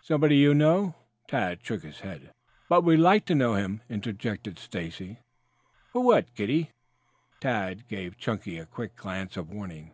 "Somebody you know?" Tad shook his head. "But we would like to know him," interjected Stacy. "For what, kiddie?" Tad gave Chunky a quick glance of warning.